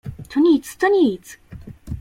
— To nic, to nic…